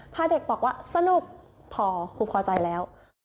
ถ้าเด็กบอกว่าสนุกพอครูพอใจแล้ว